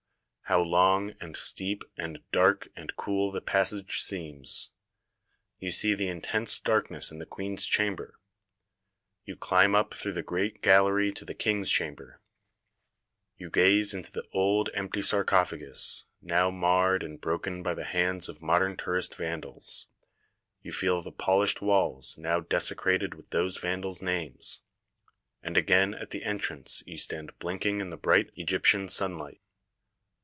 How long and steep and dark and cool the passage seems. You see the intense darkness in the queen's chamber. You climb up through the great gallery to the king's chamber. A View from the Summit of the Pyramid THE PYRAMID OF KHUFU 35 You gaze into the old empty sarcophagus, now marred and broken by the hands of modern tour ist vandals. You feel the polished walls now de secrated with those vandals' names. And again at the entrance you stand blinking in the bright Egyptian sunlight.